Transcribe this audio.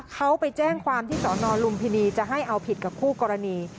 เขาไปแจ้งความที่สอนอลุมพินีจะให้เอาผิดกับคู่กรณี